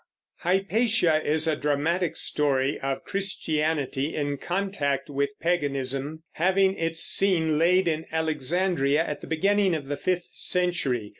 Hypatia_ is a dramatic story of Christianity in contact with paganism, having its scene laid in Alexandria at the beginning of the fifth century.